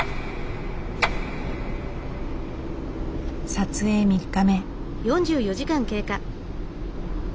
撮影３日目。